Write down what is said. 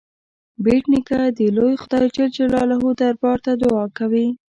بېټ نیکه د لوی خدای جل جلاله دربار ته دعا کوي.